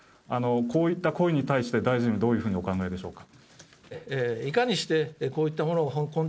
こういった声に対して、大臣は、どういうふうにお考えでしょうか？